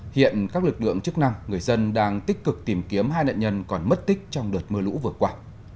hiện các lực lượng chức năng người dân đang tích cực tìm kiếm hai nạn nhân còn mất tích trong đợt mưa lũ vừa qua